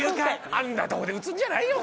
あんなとこで打つんじゃないよ